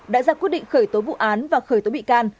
đã ra quyết định khởi tố vụ án và khởi tố bị can